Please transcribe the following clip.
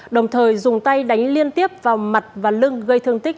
đồng thời dùng tay đánh liên tiếp vào mặt và lưng gây thương tích